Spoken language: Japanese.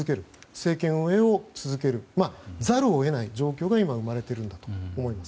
政権運営を続けざるを得ない状況が今生まれているんだと思います。